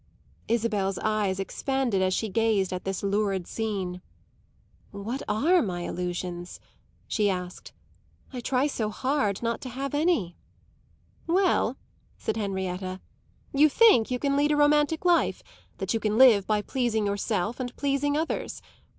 Isabel's eyes expanded as she gazed at this lurid scene. "What are my illusions?" she asked. "I try so hard not to have any." "Well," said Henrietta, "you think you can lead a romantic life, that you can live by pleasing yourself and pleasing others.